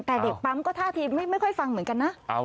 แต่เด็กปั๊มก็ท่าทีไม่ค่อยฟังเหมือนกันนะ